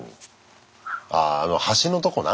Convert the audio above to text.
あああの端のとこな。